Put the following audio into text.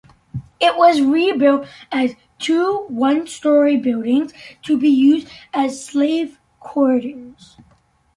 It was rebuilt as two one-story buildings to be used as slave quarters.